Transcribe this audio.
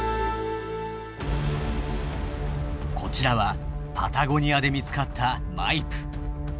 こちらはパタゴニアで見つかったマイプ。